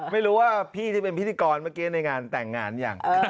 ไม่รู้ว่าพี่ที่เป็นพิธีกรเมื่อกี้ในงานแต่งงานยัง